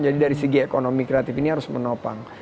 jadi dari segi ekonomi kreatif ini harus menopang